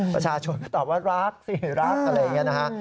ประชาชนก็ตอบว่ารักสิรักอะไรอย่างนี้นะฮะ